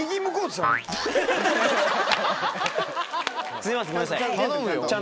すいませんごめんなさいちゃんと。